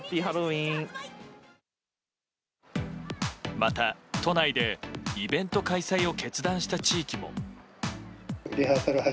また、都内でイベント開催を決断した地域も。